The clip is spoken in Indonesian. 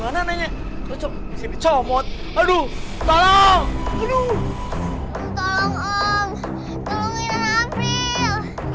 kemana mana aja coba aduh tolong aduh